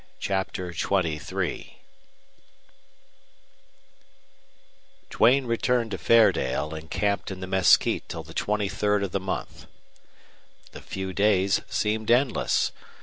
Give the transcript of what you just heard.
CHAPTER XXIII Duane returned to Fairdale and camped in the mesquite till the twenty third of the month. The few days seemed endless.